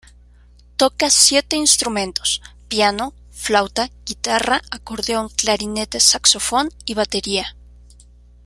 Toca siete instrumentos: piano, flauta, guitarra, acordeón, clarinete, saxofón y batería.